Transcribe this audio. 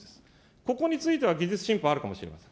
ここについては技術振興、あるかもしれません。